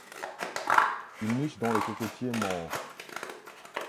Il niche dans les cocotiers morts.